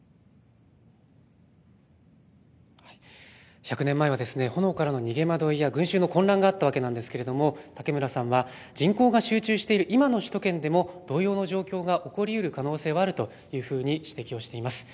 １００年前は炎からの逃げ惑いや群集の混乱があったわけですが武村さんは人口が集中している今の首都圏でも同様の状況が起こりうる可能性はあると指摘しています。